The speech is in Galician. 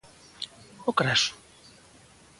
O Craso.